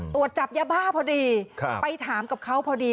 ตรวจจับยาบ้าพอดีไปถามกับเขาพอดี